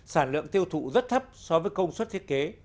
sản lượng tiêu thụ rất thấp so với công suất thiết kế